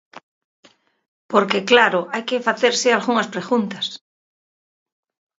Porque, claro, hai que facerse algunhas preguntas.